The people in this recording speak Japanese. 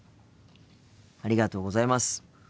ありがとうございます。